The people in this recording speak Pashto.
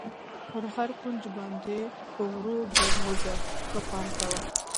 پر هر کونج باندې په ورو ګر وځه، ښه پام کوه.